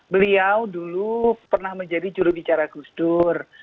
beliau dulu pernah menjadi jurubicara gus dur